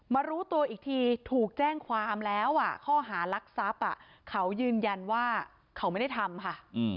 รู้ตัวอีกทีถูกแจ้งความแล้วข้อหารักทรัพย์เขายืนยันว่าเขาไม่ได้ทำค่ะ